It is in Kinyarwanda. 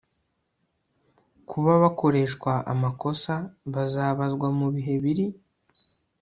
kuba bakoreshwa amakosa bazabazwa mu bihe biri